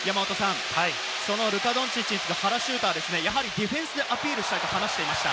ルカ・ドンチッチ、原はディフェンスでアピールしたいと話していました。